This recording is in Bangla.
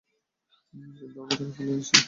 কিন্তু আমরা তাকে ফেলে এসেছি।